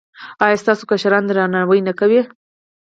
ایا ستاسو کشران درناوی نه کوي؟